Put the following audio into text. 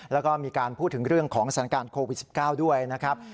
แล้วก็มีการพูดถึงเรื่องของสถานการณ์โควิด๑๙ด้วยนะครับ